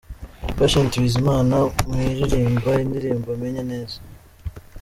Patient Bizimana mu aririmba indirimbo'Menye neza'.